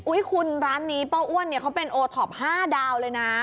คุณร้านนี้ป้าอ้วนเนี่ยเขาเป็นโอท็อป๕ดาวเลยนะ